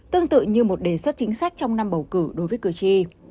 tương tự như một đề xuất chính sách trong năm bầu cử đối với cử tri